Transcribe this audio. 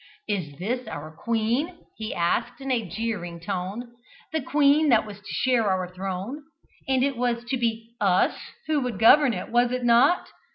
"Is this our queen?" he asked in a jeering tone. "The queen that was to share our throne, and it was to be 'us' who would govern, was it not?